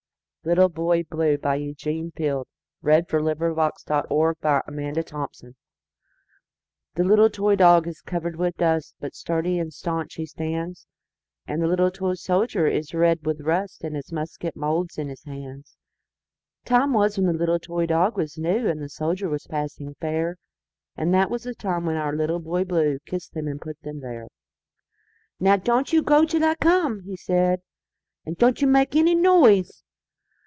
merican Poetry. 1919. Eugene Field1850–1895 Little Boy Blue THE LITTLE toy dog is covered with dust, But sturdy and staunch he stands; The little toy soldier is red with rust, And his musket moulds in his hands. Time was when the little toy dog was new, And the soldier was passing fair; And that was the time when our Little Boy BlueKissed them and put them there."Now don't you go till I come," he said,"And don't you make any noise!"